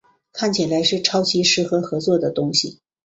看起来是超级适合合作的东西